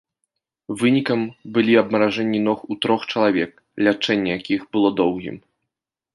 Вынікам былі абмаражэнні ног у трох чалавек, лячэнне якіх было доўгім.